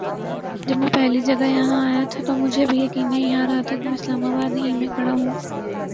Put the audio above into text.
جب میں پہلی جگہ یہاں آیا تھا تو مجھے بھی یقین نہیں آ رہا تھا کہ میں اسلام آباد ہی میں کھڑا ہوں ۔